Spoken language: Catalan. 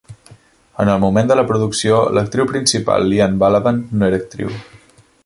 En el moment de la producció, l'actriu principal Liane Balaban no era actriu.